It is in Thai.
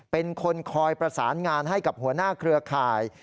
เป็นคนคอยประสานงานให้กับหัวหน้าเครือข่าย